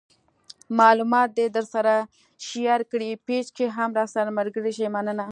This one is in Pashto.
معلومات د درسره شیر کړئ پیج کې هم راسره ملګري شئ مننه